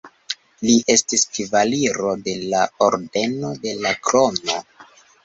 Li estis kavaliro de la Ordeno de la Krono.